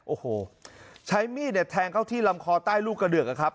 โอ้โหใช้มีดเนี่ยแทงเข้าที่ลำคอใต้ลูกกระเดือกอะครับ